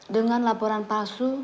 dengan laporan palsu